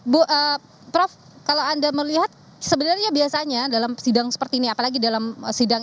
bu prof kalau anda melihat sebenarnya biasanya dalam sidang seperti ini apalagi dalam sidang